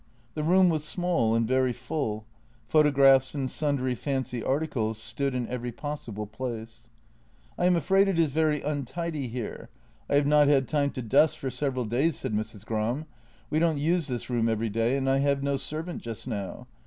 The room was small and very full — photographs and sundry fancy articles stood in every possible place. JENNY 129 " I am afraid it is very untidy here. I have not had time to dust for several days," said Mrs. Gram. " We don't use this room every day, and I have no servant just now.